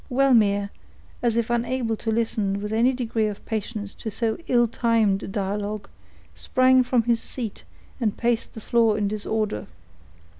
Wellmere, as if unable to listen with any degree of patience to so ill timed a dialogue, sprang from his seat and paced the floor in disorder.